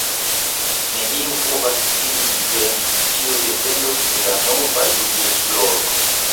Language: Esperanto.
Neniu povas ĝin diveni: tio dependos de la nova juĝesploro.